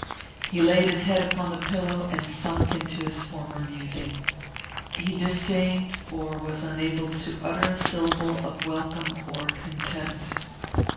He laid his head upon the pillow, and sunk into his former musing. He disdained, or was unable, to utter a syllable of welcome or contempt.